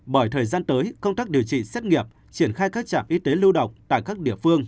bởi thời gian tới công tác điều trị xét nghiệm triển khai các trạm y tế lưu động tại các địa phương